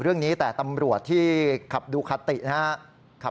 เรื่องนี้แต่ตำรวจที่ขับดูคาตินะครับ